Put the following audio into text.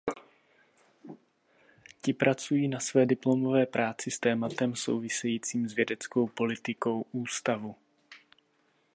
Ti pracují na své diplomové práci s tématem souvisejícím s vědeckou politikou ústavu.